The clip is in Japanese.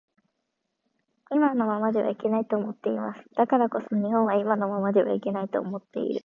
今のままではいけないと思っています。だからこそ日本は今のままではいけないと思っている